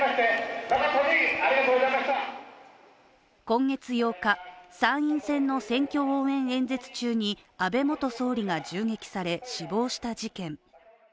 今月８日、参院選の選挙応援中に安倍元総理が銃撃され死亡した事件。